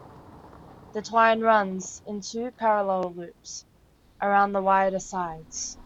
The twine runs, in two parallel loops, around the wider sides.